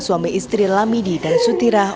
suami istri lamidi dan sutira